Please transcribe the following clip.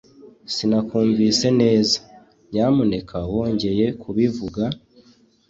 Sinakumvise neza. Nyamuneka wongeye kubivuga?